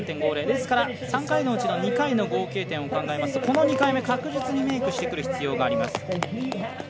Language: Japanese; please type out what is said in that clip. ですから、３回のうちの２回の合計点を考えますとこの２回目確実にメークしてくる必要があります。